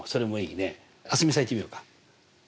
蒼澄さんいってみようか。